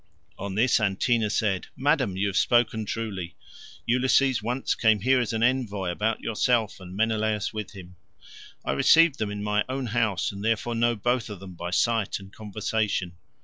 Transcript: On this Antenor said, "Madam, you have spoken truly. Ulysses once came here as envoy about yourself, and Menelaus with him. I received them in my own house, and therefore know both of them by sight and conversation.